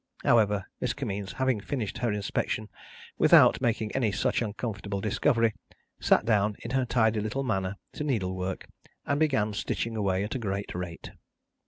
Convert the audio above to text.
However, Miss Kimmeens having finished her inspection without making any such uncomfortable discovery, sat down in her tidy little manner to needlework, and began stitching away at a great rate.